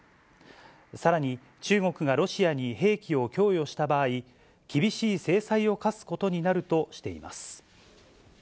さらに、中国がロシアに兵器を供与した場合、厳しい制裁を科すことになるとしています。